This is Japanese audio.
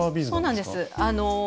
そうなんです。